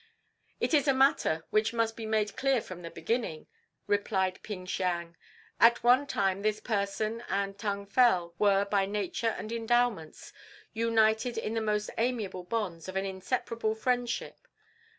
"It is a matter which must be made clear from the beginning," replied Ping Siang. "At one time this person and Tung Fel were, by nature and endowments, united in the most amiable bonds of an inseparable friendship.